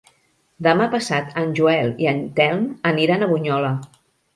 Demà passat en Joel i en Telm aniran a Bunyola.